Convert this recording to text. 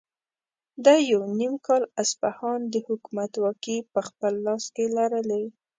ده یو نیم کال اصفهان د حکومت واکې په خپل لاس کې لرلې.